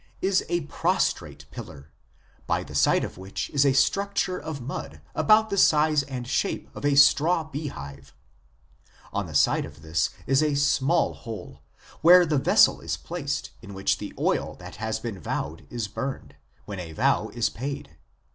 is a prostrate pillar, by the side of which is a structure of mud about the size and shape of a straw bee hive ; on the side of this is a small hole, where the vessel is placed in which the oil that has been vowed is burned, when a vow is paid.